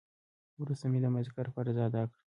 وروسته مې د مازديګر فرض ادا کړ.